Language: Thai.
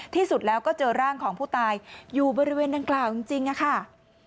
ที่สุดแล้วก็เจอร่างของผู้ตายอยู่บริเวณดังกล่าวจริงค่ะ